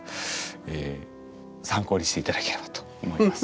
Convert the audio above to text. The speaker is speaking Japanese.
え参考にしていただければと思います。